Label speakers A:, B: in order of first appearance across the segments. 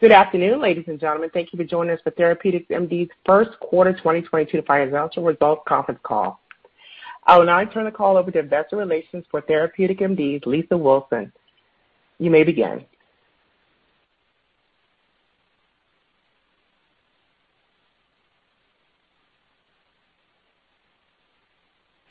A: Good afternoon, ladies and gentlemen. Thank you for joining us for TherapeuticsMD's first quarter 2022 financial results conference call. I will now turn the call over to investor relations for TherapeuticsMD, Lisa Wilson. You may begin.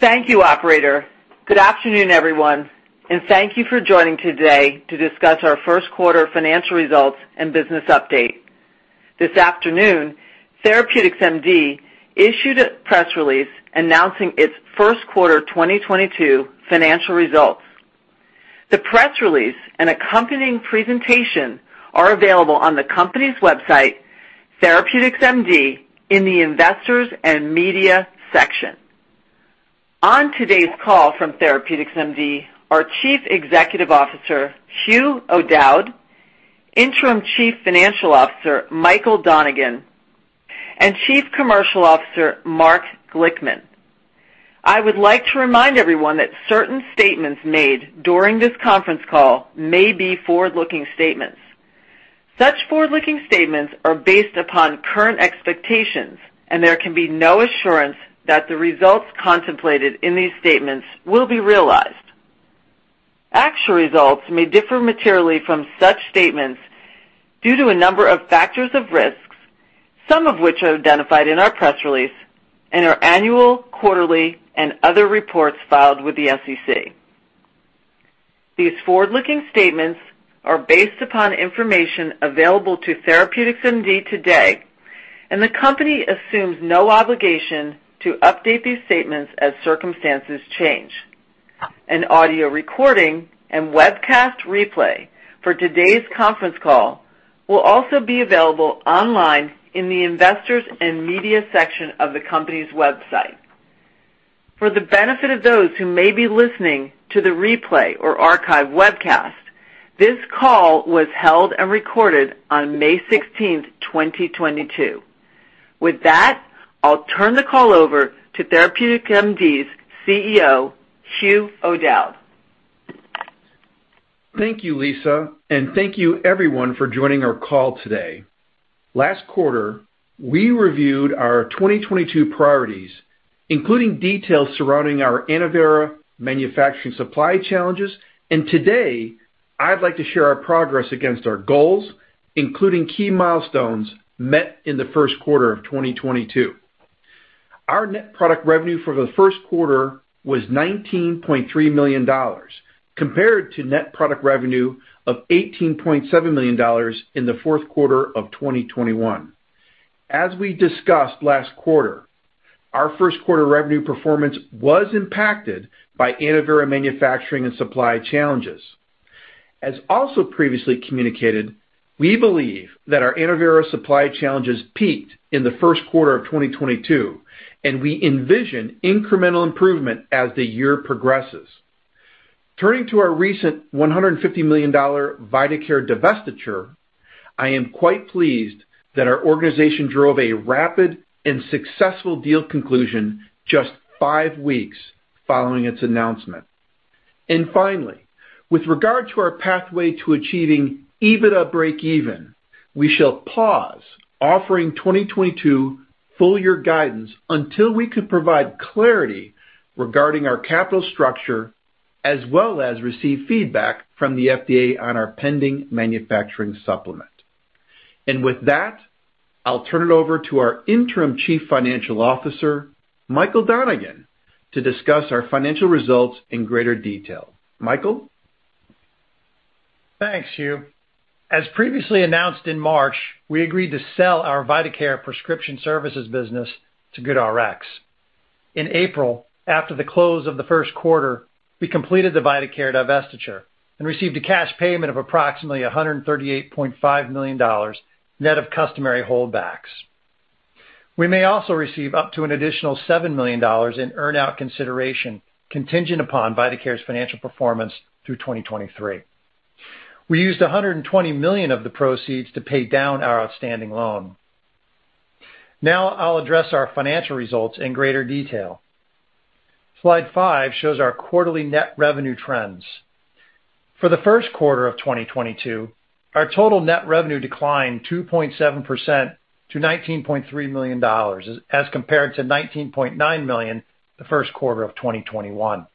B: Thank you, operator. Good afternoon, everyone, and thank you for joining today to discuss our first quarter financial results and business update. This afternoon, TherapeuticsMD issued a press release announcing its first quarter 2022 financial results. The press release and accompanying presentation are available on the company's website, TherapeuticsMD, in the Investors and Media section. On today's call from TherapeuticsMD, our Chief Executive Officer, Hugh O'Dowd, Interim Chief Financial Officer Michael Donegan, and Chief Commercial Officer Mark Glickman. I would like to remind everyone that certain statements made during this conference call may be forward-looking statements. Such forward-looking statements are based upon current expectations, and there can be no assurance that the results contemplated in these statements will be realized. Actual results may differ materially from such statements due to a number of factors of risks, some of which are identified in our press release and our annual, quarterly, and other reports filed with the SEC. These forward-looking statements are based upon information available to TherapeuticsMD today, and the company assumes no obligation to update these statements as circumstances change. An audio recording and webcast replay for today's conference call will also be available online in the Investors and Media section of the company's website. For the benefit of those who may be listening to the replay or archive webcast, this call was held and recorded on May 16, 2022. With that, I'll turn the call over to TherapeuticsMD's CEO, Hugh O'Dowd.
C: Thank you, Lisa, and thank you everyone for joining our call today. Last quarter, we reviewed our 2022 priorities, including details surrounding our ANNOVERA manufacturing supply challenges. Today I'd like to share our progress against our goals, including key milestones met in the first quarter of 2022. Our net product revenue for the first quarter was $19.3 million, compared to net product revenue of $18.7 million in the fourth quarter of 2021. As we discussed last quarter, our first quarter revenue performance was impacted by ANNOVERA manufacturing and supply challenges. As also previously communicated, we believe that our ANNOVERA supply challenges peaked in the first quarter of 2022, and we envision incremental improvement as the year progresses. Turning to our recent $150 million vitaCare divestiture, I am quite pleased that our organization drove a rapid and successful deal conclusion just five weeks following its announcement. Finally, with regard to our pathway to achieving EBITDA breakeven, we shall pause offering 2022 full year guidance until we can provide clarity regarding our capital structure as well as receive feedback from the FDA on our pending manufacturing supplement. With that, I'll turn it over to our Interim Chief Financial Officer, Michael Donegan, to discuss our financial results in greater detail. Michael?
D: Thanks, Hugh. As previously announced in March, we agreed to sell our vitaCare prescription services business to GoodRx. In April, after the close of the first quarter, we completed the vitaCare divestiture and received a cash payment of approximately $138.5 million, net of customary holdbacks. We may also receive up to an additional $7 million in earn-out consideration contingent upon vitaCare's financial performance through 2023. We used $120 million of the proceeds to pay down our outstanding loan. Now I'll address our financial results in greater detail. Slide five shows our quarterly net revenue trends. For the first quarter of 2022, our total net revenue declined 2.7% to $19.3 million as compared to $19.9 million the first quarter of 2021.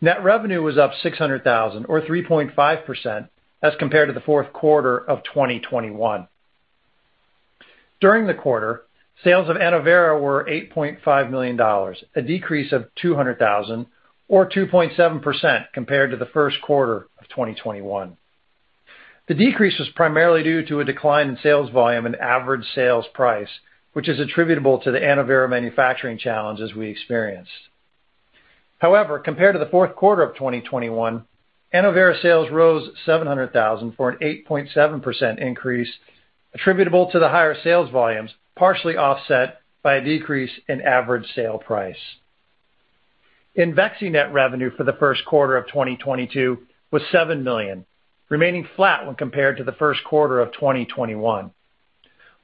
D: Net revenue was up $600,000 or 3.5% as compared to the fourth quarter of 2021. During the quarter, sales of ANNOVERA were $8.5 million, a decrease of $200,000 or 2.7% compared to the first quarter of 2021. The decrease was primarily due to a decline in sales volume and average sales price, which is attributable to the ANNOVERA manufacturing challenges we experienced. However, compared to the fourth quarter of 2021, ANNOVERA sales rose $700,000 for an 8.7% increase attributable to the higher sales volumes, partially offset by a decrease in average sale price. IMVEXXY net revenue for the first quarter of 2022 was $7 million, remaining flat when compared to the first quarter of 2021.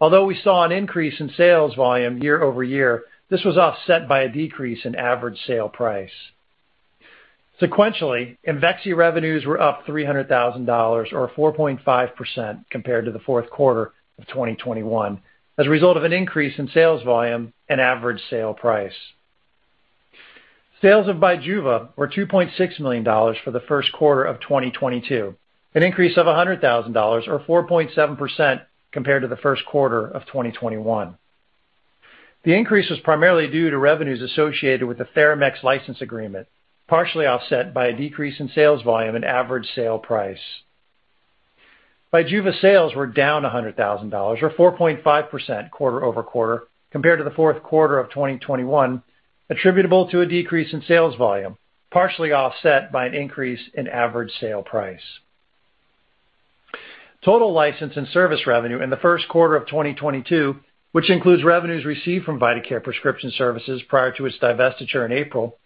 D: Although we saw an increase in sales volume year-over-year, this was offset by a decrease in average sale price. Sequentially, IMVEXXY revenues were up $300,000 or 4.5% compared to the fourth quarter of 2021 as a result of an increase in sales volume and average sale price. Sales of BIJUVA were $2.6 million for the first quarter of 2022, an increase of $100,000 or 4.7% compared to the first quarter of 2021. The increase was primarily due to revenues associated with the Theramex license agreement, partially offset by a decrease in sales volume and average sale price. BIJUVA sales were down $100,000 or 4.5% quarter-over-quarter compared to the fourth quarter of 2021, attributable to a decrease in sales volume, partially offset by an increase in average sale price. Total license and service revenue in the first quarter of 2022, which includes revenues received from vitaCare Prescription Services prior to its divestiture in April,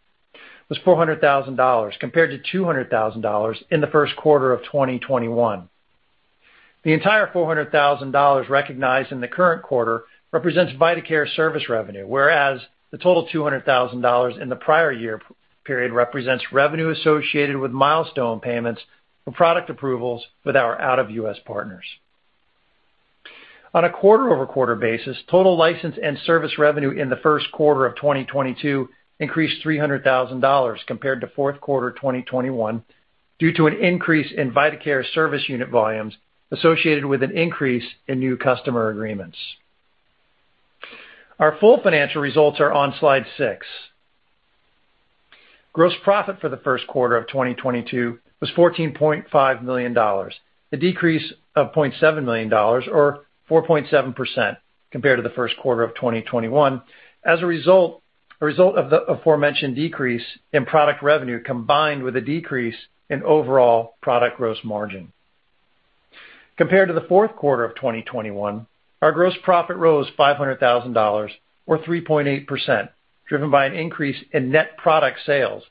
D: was $400,000 compared to $200,000 in the first quarter of 2021. The entire $400,000 recognized in the current quarter represents vitaCare service revenue, whereas the total $200,000 in the prior year period represents revenue associated with milestone payments for product approvals with our out-of-U.S. partners. On a quarter-over-quarter basis, total license and service revenue in the first quarter of 2022 increased $300,000 compared to fourth quarter 2021 due to an increase in vitaCare service unit volumes associated with an increase in new customer agreements. Our full financial results are on slide 6. Gross profit for the first quarter of 2022 was $14.5 million, a decrease of $0.7 million or 4.7% compared to the first quarter of 2021. As a result of the aforementioned decrease in product revenue combined with a decrease in overall product gross margin. Compared to the fourth quarter of 2021, our gross profit rose $500,000 or 3.8%, driven by an increase in net product sales,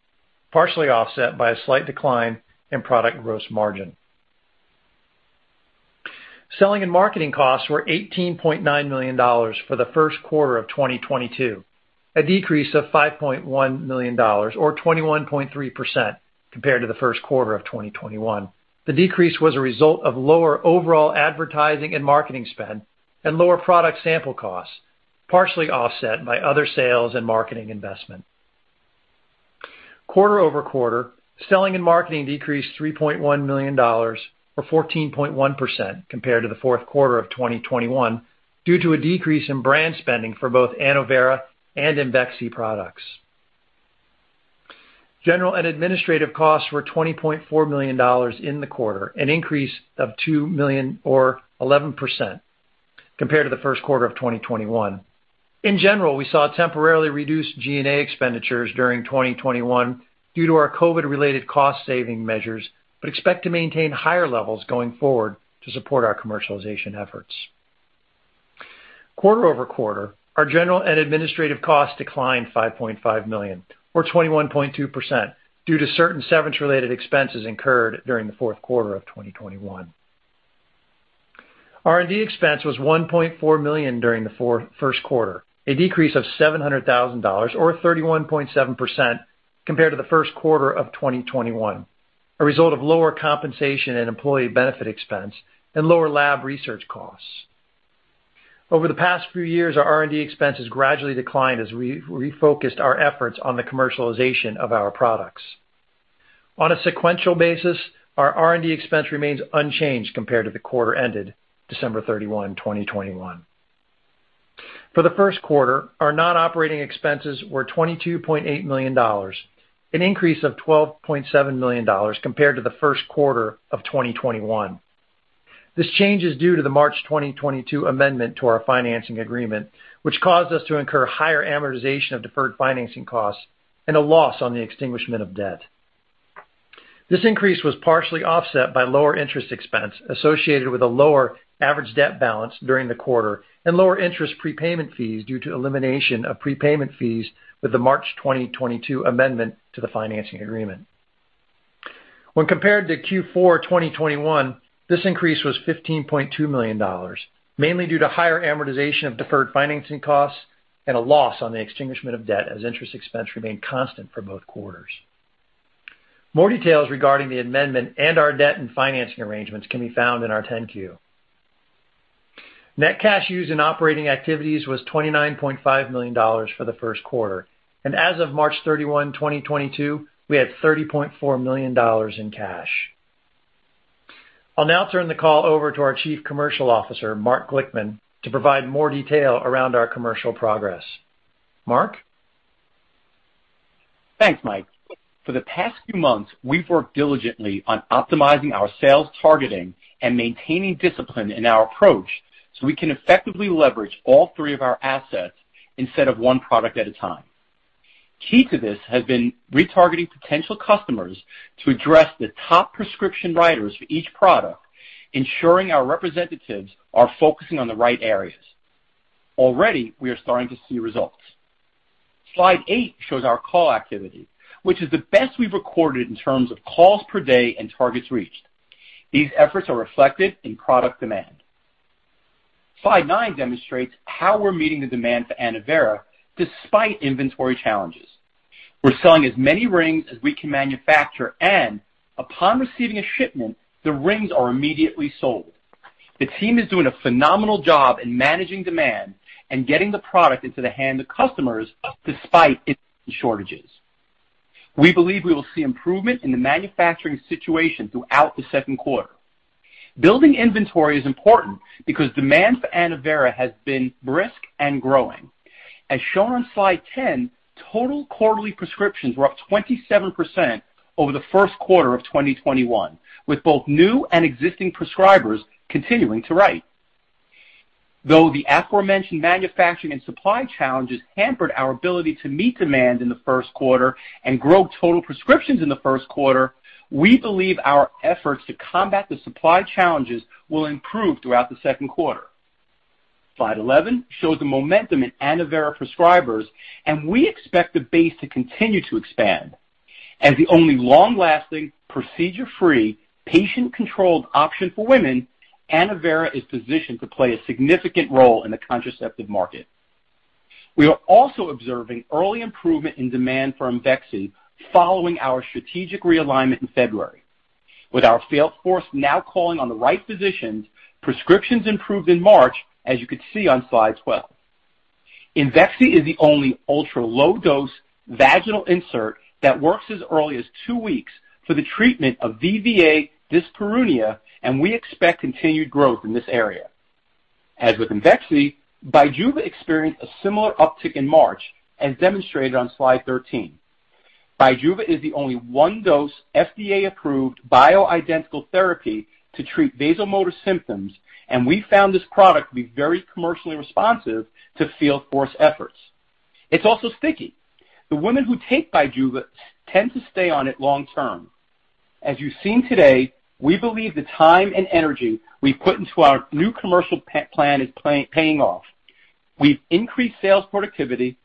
D: partially offset by a slight decline in product gross margin. Selling and marketing costs were $18.9 million for the first quarter of 2022, a decrease of $5.1 million or 21.3% compared to the first quarter of 2021. The decrease was a result of lower overall advertising and marketing spend and lower product sample costs, partially offset by other sales and marketing investment. Quarter-over-quarter, selling and marketing decreased $3.1 million or 14.1% compared to the fourth quarter of 2021 due to a decrease in brand spending for both ANNOVERA and IMVEXXY products. General and administrative costs were $20.4 million in the quarter, an increase of $2 million or 11% compared to the first quarter of 2021. In general, we saw temporarily reduced G&A expenditures during 2021 due to our COVID-related cost saving measures, but expect to maintain higher levels going forward to support our commercialization efforts. Quarter-over-quarter, our general and administrative costs declined $5.5 million or 21.2% due to certain severance-related expenses incurred during the fourth quarter of 2021. R&D expense was $1.4 million during the first quarter, a decrease of $700,000 or 31.7% compared to the first quarter of 2021, a result of lower compensation and employee benefit expense and lower lab research costs. Over the past few years, our R&D expense has gradually declined as we refocused our efforts on the commercialization of our products. On a sequential basis, our R&D expense remains unchanged compared to the quarter ended December 31, 2021. For the first quarter, our non-operating expenses were $22.8 million, an increase of $12.7 million compared to the first quarter of 2021. This change is due to the March 2022 amendment to our financing agreement, which caused us to incur higher amortization of deferred financing costs and a loss on the extinguishment of debt. This increase was partially offset by lower interest expense associated with a lower average debt balance during the quarter and lower interest prepayment fees due to elimination of prepayment fees with the March 2022 amendment to the financing agreement. When compared to Q4 2021, this increase was $15.2 million, mainly due to higher amortization of deferred financing costs and a loss on the extinguishment of debt as interest expense remained constant for both quarters. More details regarding the amendment and our debt and financing arrangements can be found in our 10-Q. Net cash used in operating activities was $29.5 million for the first quarter, and as of March 31, 2022, we had $30.4 million in cash. I'll now turn the call over to our Chief Commercial Officer, Mark Glickman, to provide more detail around our commercial progress. Mark?
E: Thanks, Mike. For the past few months, we've worked diligently on optimizing our sales targeting and maintaining discipline in our approach so we can effectively leverage all three of our assets instead of one product at a time. Key to this has been retargeting potential customers to address the top prescription writers for each product, ensuring our representatives are focusing on the right areas. Already, we are starting to see results. Slide 8 shows our call activity, which is the best we've recorded in terms of calls per day and targets reached. These efforts are reflected in product demand. Slide 9 demonstrates how we're meeting the demand for ANNOVERA despite inventory challenges. We're selling as many rings as we can manufacture, and upon receiving a shipment, the rings are immediately sold. The team is doing a phenomenal job in managing demand and getting the product into the hands of customers despite inventory shortages. We believe we will see improvement in the manufacturing situation throughout the second quarter. Building inventory is important because demand for ANNOVERA has been brisk and growing. As shown on slide 10, total quarterly prescriptions were up 27% over the first quarter of 2021, with both new and existing prescribers continuing to write. Though the aforementioned manufacturing and supply challenges hampered our ability to meet demand in the first quarter and grow total prescriptions in the first quarter, we believe our efforts to combat the supply challenges will improve throughout the second quarter. Slide 11 shows the momentum in ANNOVERA prescribers, and we expect the base to continue to expand. As the only long-lasting, procedure-free, patient-controlled option for women, ANNOVERA is positioned to play a significant role in the contraceptive market. We are also observing early improvement in demand for IMVEXXY following our strategic realignment in February. With our sales force now calling on the right physicians, prescriptions improved in March, as you can see on slide 12. IMVEXXY is the only ultra-low dose vaginal insert that works as early as two weeks for the treatment of VVA dyspareunia, and we expect continued growth in this area. As with IMVEXXY, BIJUVA experienced a similar uptick in March, as demonstrated on slide 13. BIJUVA is the only one-dose, FDA-approved bio-identical therapy to treat vasomotor symptoms, and we found this product to be very commercially responsive to field force efforts. It's also sticky. The women who take BIJUVA tend to stay on it long term. As you've seen today, we believe the time and energy we've put into our new commercial plan is paying off. We've increased sales productivity,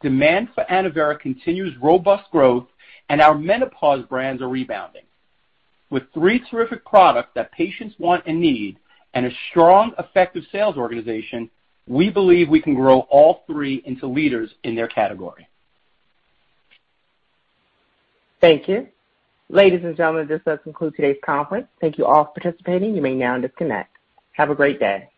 E: demand for ANNOVERA continues robust growth, and our menopause brands are rebounding. With three terrific products that patients want and need and a strong, effective sales organization, we believe we can grow all three into leaders in their category.
A: Thank you. Ladies and gentlemen, this does conclude today's conference. Thank you all for participating. You may now disconnect. Have a great day.